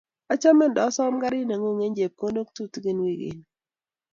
Achome ndasom karit ngung eng chepkondok tutikin wikiit ni.